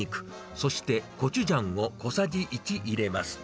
そしてコチュジャンを小さじ１入れます。